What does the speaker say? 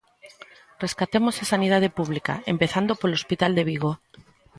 Rescatemos a sanidade pública, empezando polo hospital de Vigo.